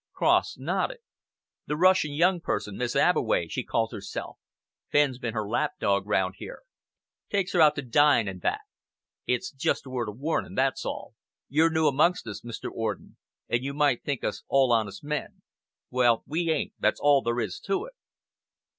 Cross nodded. "The Russian young person Miss Abbeway, she calls herself. Fenn's been her lap dog round here takes her out to dine and that. It's just a word of warning, that's all. You're new amongst us, Mr. Orden, and you might think us all honest men. Well, we ain't; that's all there is to it."